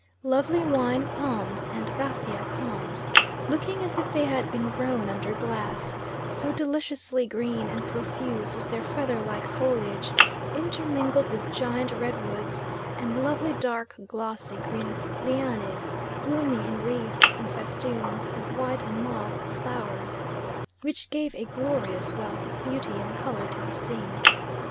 Lovely wine palms and rafia palms, looking as if they had been grown under glass, so deliciously green and profuse was their feather like foliage, intermingled with giant red woods, and lovely dark glossy green lianes, blooming in wreaths and festoons of white and mauve flowers, which gave a glorious wealth of beauty and colour to the scene.